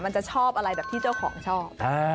มันจะชอบอะไรแบบที่เจ้าของชอบ